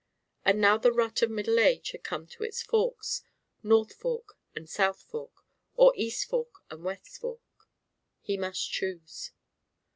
And now the rut of middle age had come to its forks: north fork and south fork; or east fork and west fork he must choose.